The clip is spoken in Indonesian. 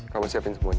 kamu siapin semuanya